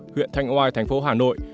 huyện thanh oai thành phố hà nội